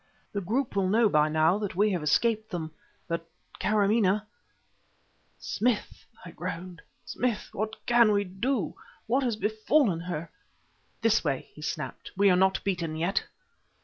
The group will know by now that we have escaped them, but Kâramaneh ..." "Smith!" I groaned, "Smith! What can we do? What has befallen her? ..." "This way!" he snapped. "We are not beaten yet!"